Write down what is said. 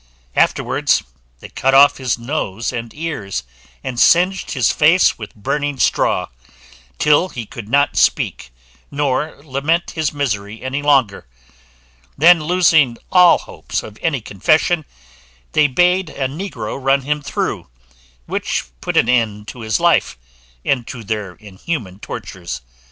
Afterwards they cut off his nose and ears, and singed his face with burning straw, till he could not speak, nor lament his misery any longer: then, losing all hopes of any confession, they bade a negro run him through, which put an end to his life, and to their inhuman tortures.